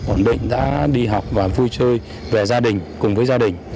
ổn định đã đi học và vui chơi về gia đình cùng với gia đình